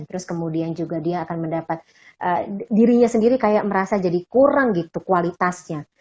terus kemudian juga dia akan mendapat dirinya sendiri kayak merasa jadi kurang gitu kualitasnya